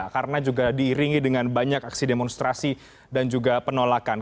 karena juga diiringi dengan banyak aksi demonstrasi dan juga penolakan